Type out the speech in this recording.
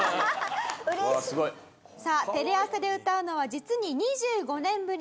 さあテレ朝で歌うのは実に２５年ぶり。